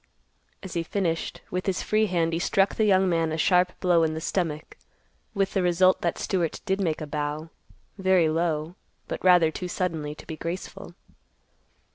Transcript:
As he finished, with his free hand he struck the young man a sharp blow in the stomach, with the result that Stewart did make a bow, very low, but rather too suddenly to be graceful.